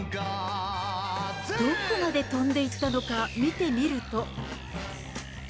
どこまで飛んでいったのか見てみると。